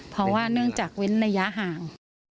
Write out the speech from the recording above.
เพราะว่าเนื่องจากเว้นระยะห่าง